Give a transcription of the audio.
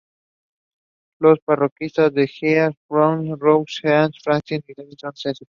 Las parroquias son East Baton Rouge, East Feliciana, Livingston, St.